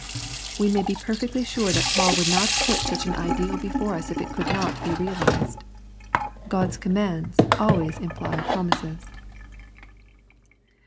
We may be perfectly sure that Paul would not put such an ideal before us if it could not be realised. God's commands always imply promises.